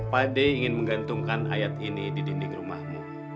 pak deng ingin menggantungkan ayat ini di dinding rumahmu